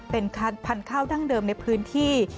เป็นพันธุ์ข้าวดั้งเดิมในพื้นที่